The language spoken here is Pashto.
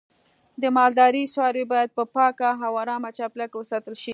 د مالدارۍ څاروی باید په پاکه او آرامه چاپیریال کې وساتل شي.